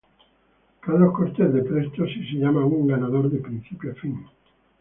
Carlos Cortez, de Presto Si se llama un "ganador de principio a fin".